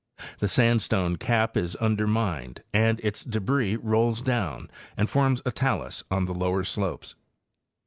The sandstone cap is undermined and its débris rolls down and forms a talus on the lower slopes.